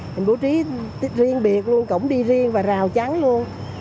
mình bố trí riêng biệt luôn cổng đi riêng và rào chắn luôn